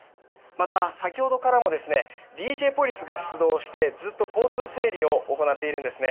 また、先ほどからもＤＪポリスが出動してずっと交通整理を行っているんですね。